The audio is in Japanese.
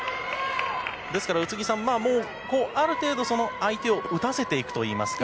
ですから宇津木さんある程度、相手を打たせていくといいますか。